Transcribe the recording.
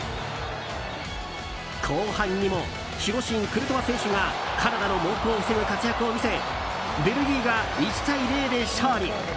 後半にも守護神クルトワ選手がカナダの猛攻を防ぐ活躍を見せベルギーが１対０で勝利。